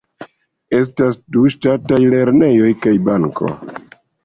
Estas du ŝtataj lernejoj kaj banko.